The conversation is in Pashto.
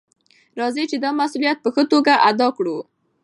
راځئ چې دا مسؤلیت په ښه توګه ادا کړو.